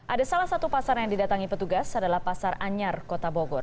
ada salah satu pasar yang didatangi petugas adalah pasar anyar kota bogor